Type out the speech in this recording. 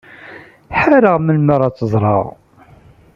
Ḥareɣ melmi ara tt-ẓreɣ.